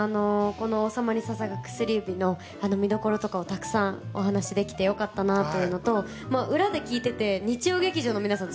この「王様に捧ぐ薬指」の見どころとかをたくさんお話しできてよかったなというのと裏で聞いてて日曜劇場の皆さん